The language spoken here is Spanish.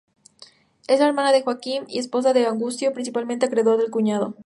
Es la hermana de Joaquim y esposa de Augusto, principal acreedor del cuñado.